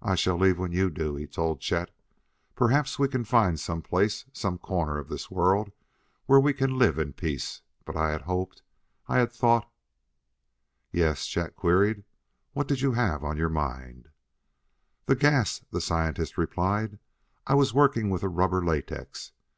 "I shall leave when you do," he told Chet. "Perhaps we can find some place, some corner of this world, where we can live in peace. But I had hoped, I had thought " "Yes?" Chet queried. "What did you have on your mind?" "The gas," the scientist replied. "I was working with a rubber latex.